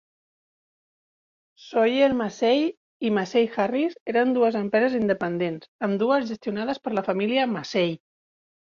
Sawyer-Massey i Massey-Harris eren dues empreses independents, ambdues gestionades per la família Massey.